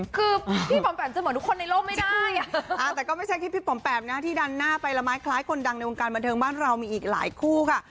คือพี่ปอมแปมจะเหมือนทุกคนในโลกไม่ได้แต่ก็ไม่ใช่แค่พี่ปอมแปมนะที่ดันหน้าไปละไม้คล้ายคนดังในวงการบันเทิงบ้านเรามีอีกหลายคู่ค่ะ